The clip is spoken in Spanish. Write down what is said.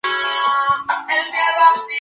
Igualmente, el resto de su familia se arruinó.